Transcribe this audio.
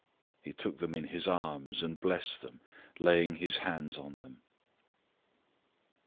010:016 He took them in his arms, and blessed them, laying his hands on them.